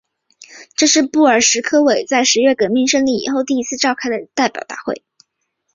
这是布尔什维克在十月革命胜利以后第一次召开的代表大会。